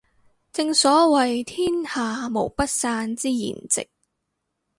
正所謂天下無不散之筵席